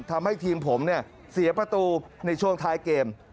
ทำให้ทีมผมเนี่ยเสียประตูในช่วงท้ายเกม